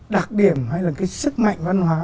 đặc điểm hay là cái sức mạnh văn hóa